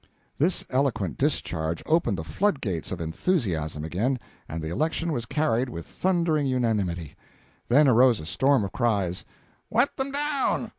This eloquent discharge opened the flood gates of enthusiasm again, and the election was carried with thundering unanimity. Then arose a storm of cries: "Wet them down!